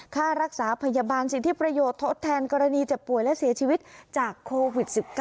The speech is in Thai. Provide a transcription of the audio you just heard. ค่ารักษาพยาบาลสิทธิประโยชน์ทดแทนกรณีเจ็บป่วยและเสียชีวิตจากโควิด๑๙